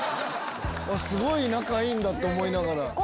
すごい仲いいんだと思いながら。